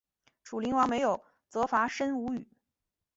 楚灵王没有责罚申无宇。